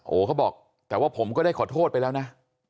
โอ้โหเขาบอกแต่ว่าผมก็ได้ขอโทษไปแล้วนะ